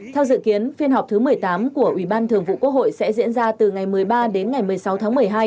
theo dự kiến phiên họp thứ một mươi tám của ủy ban thường vụ quốc hội sẽ diễn ra từ ngày một mươi ba đến ngày một mươi sáu tháng một mươi hai